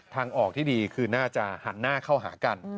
ทางออกที่ดีคือน่าจะหันหน้าเข้าหากัน